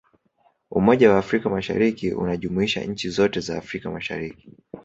umoja wa afrika mashariki unajumuisha nchi zote za afrika mashariki